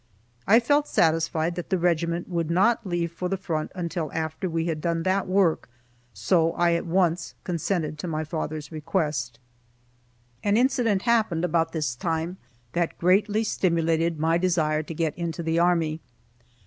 I felt satisfied that the regiment would not leave for the front until after we had done that work, so I at once consented to my father's request. [Illustration: J. O. Stillwell (Father of Leander Stillwell.)] An incident happened about this time that greatly stimulated my desire to get into the army.